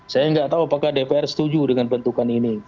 saya nggak tahu apakah dpr setuju dengan bentukan ini